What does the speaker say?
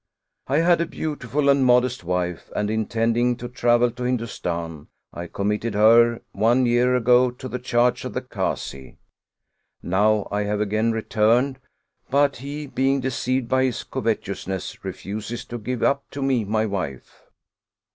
I had a beautiful and modest wife, and intending to travel to Hindustan, I com mitted her one year ago to the charge of the Kazi. Now I have again returned, but he, being deceived by his covet ousness, refuses to give up to me my wife."